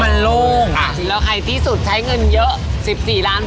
มันโล่งค่ะแล้วใครที่สุดใช้เงินเยอะสิบสี่ล้าน